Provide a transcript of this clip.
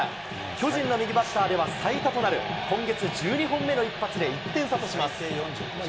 巨人の右バッターでは最多となる今月１２本目の一発で１点差とします。